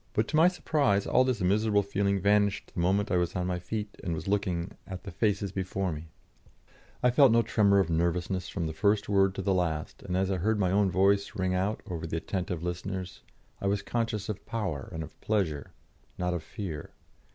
But to my surprise all this miserable feeling vanished the moment I was on my feet and was looking at the faces before me. I felt no tremor of nervousness from the first word to the last, and as I heard my own voice ring out over the attentive listeners I was conscious of power and of pleasure, not of fear.